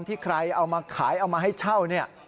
ที่ใครเอามาขายเอามาให้เช่าเนี่ย